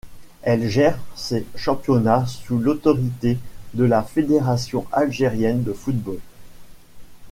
Elle gère ces championnats sous l'autorité de la Fédération algérienne de football.